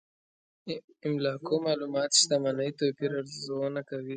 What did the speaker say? املاکو معلومات شتمنۍ توپير ارزونه کوي.